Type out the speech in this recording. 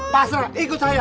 pasrah ikut saya